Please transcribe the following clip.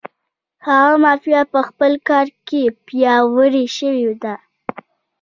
هغه مافیا په خپل کار کې پیاوړې شوې ده.